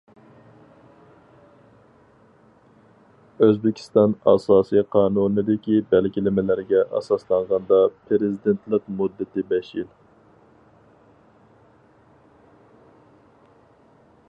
ئۆزبېكىستان ئاساسىي قانۇنىدىكى بەلگىلىمىلەرگە ئاساسلانغاندا، پىرېزىدېنتلىق مۇددىتى بەش يىل.